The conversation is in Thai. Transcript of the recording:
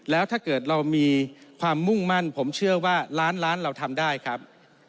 แล้วถ้าเกิดเรามีความมุ่งมั่นผมเชื่อว่าล้านล้านเราทำได้ครับ